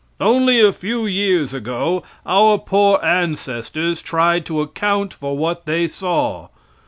Only a few years ago our poor ancestors tried to account for what they saw.